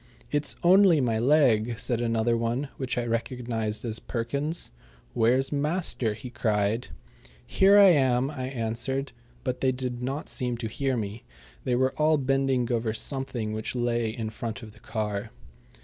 "It's only my leg!" said another one, which I recognized as Perkins's. "Where's master?" he cried. "Here I am," I answered, but they did not seem to hear me. They were all bending over something which lay in front of the car.